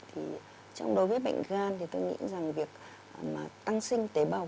thì trong đối với bệnh gan thì tôi nghĩ rằng việc tăng sinh tế bào